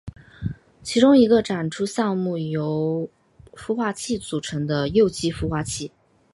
其中一个展出项目为由孵蛋器组成的幼鸡孵化器。